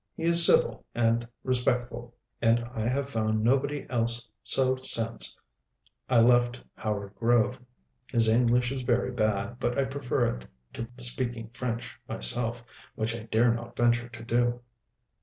He is civil and respectful, and I have found nobody else so since I left Howard Grove. His English is very bad; but I prefer it to speaking French myself, which I dare not venture to do.